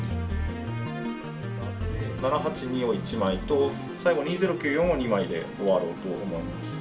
７８２を１枚と最後２０９４を２枚で終わろうと思います。